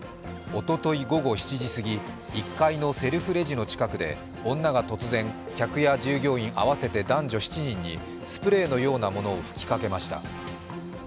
おととい午後７時すぎ１階のセルフレジの近くで女が突然、客や従業員合わせて男女７人にスプレーのようなものを吹きかけました。